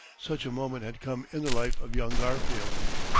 Such a moment had come in the life of young Garfield.